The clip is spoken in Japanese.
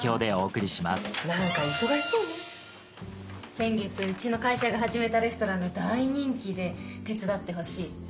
先月うちの会社が始めたレストランが大人気で手伝ってほしいって。